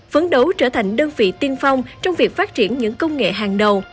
phấn đấu trở thành đơn vị tiên phong trong việc phát triển những công nghệ hàng đầu